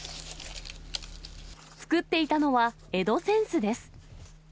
作っていたのは江戸扇子です。